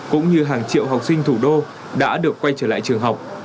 cũng như hàng triệu học sinh thủ đô đã được quay trở lại trường học